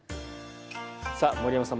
さあ盛山さん